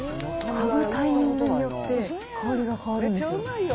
かぐタイミングによって、香りが変わるんですよ。